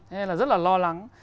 thế nên là rất là lo lắng